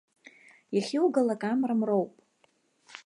Иахьугалак амра мроуп.